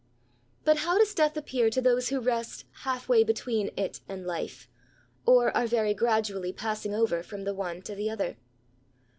But how does death appear to those who rest half way between it and life, or are very gradually passing over from the one to the other